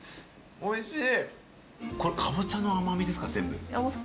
おいしい！